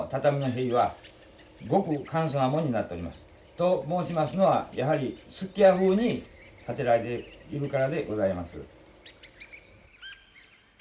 と申しますのはやはり数寄屋風に建てられているからでございます。